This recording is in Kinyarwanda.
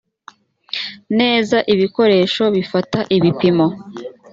neza ibikoresho bifata ibipimo